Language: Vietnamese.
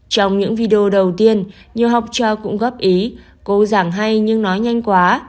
trong những video đầu tiên nhiều học trò cũng góp ý cô giảng hay nhưng nói nhanh quá